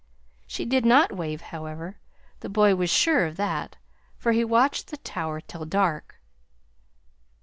She did not wave, however. The boy was sure of that, for he watched the tower till dark.